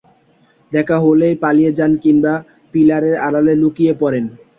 দেখা হলেই পালিয়ে যান কিংবা পিলারের আড়ালে লুকিয়ে পড়েন।